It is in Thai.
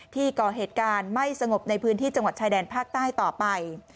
ก่อเหตุการณ์ไม่สงบในพื้นที่จังหวัดชายแดนภาคใต้ต่อไป